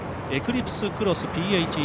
エクリプスクロスＰＨＥＶ